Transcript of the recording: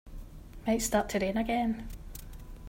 Might start to rain again.